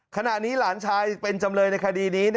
ขณะนี้หลานชายเป็นจำเลยในคดีนี้